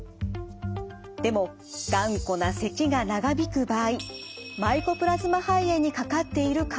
でも頑固なせきが長引く場合マイコプラズマ肺炎にかかっている可能性が。